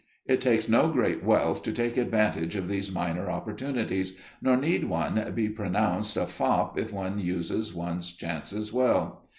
It takes no great wealth to take advantage of these minor opportunities, nor need one be pronounced a fop if one uses one's chances well.